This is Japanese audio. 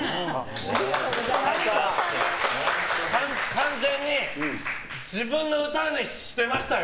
完全に自分の歌にしてましたよ！